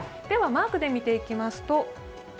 ではマークで見ていきます。